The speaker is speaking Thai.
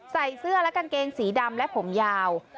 ใส่เสื้อและกางเกงสีดำและผมยาว